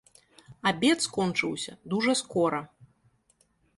Абед скончыўся дужа скора.